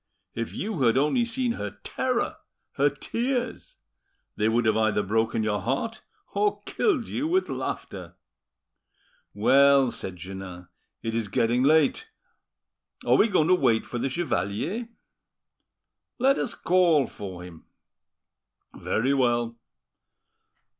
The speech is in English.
If you had only seen her terror, her tears! They would have either broken your heart or killed you with laughter." "Well," said Jeannin, "it is getting late. Are we going to wait for the chevalier?" "Let us call, for him." "Very well.